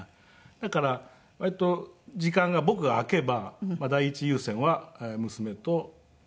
だから割と時間が僕が空けば第一優先は娘とデートするというか。